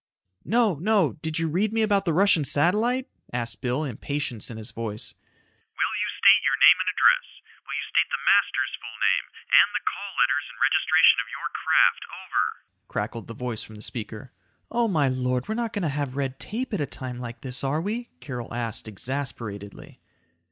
"No, no! Did you read me about the Russian satellite?" asked Bill, impatience in his voice. "Will you state your name and address. Will you state the master's full name, and the call letters and registration of your craft. Over," crackled the voice from the speaker. "Oh my lord, we're not going to have red tape at a time like this, are we?" Carol asked exasperatedly.